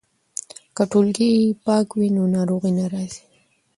که ټولګې پاکه وي نو ناروغي نه راځي.